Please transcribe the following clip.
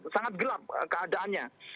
sangat gelap keadaannya